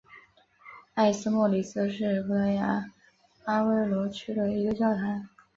埃斯莫里斯是葡萄牙阿威罗区的一个堂区。